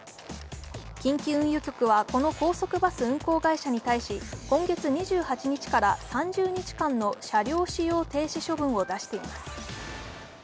近畿運輸局はこの高速バス運行会社に対し今月２８日から３０日間の車両使用停止処分を出しています。